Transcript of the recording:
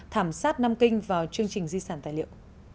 thảm sát nam kinh vào chương trình di sản tài liệu